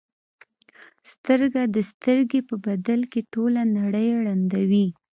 سترګه د سترګې په بدل کې ټوله نړۍ ړندوي.